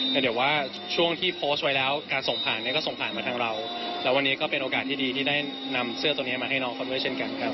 แต่เดี๋ยวว่าช่วงที่โพสต์ไว้แล้วการส่งผ่านเนี่ยก็ส่งผ่านมาทางเราแล้ววันนี้ก็เป็นโอกาสที่ดีที่ได้นำเสื้อตัวนี้มาให้น้องเขาด้วยเช่นกันครับ